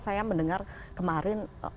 saya mendengar kemarin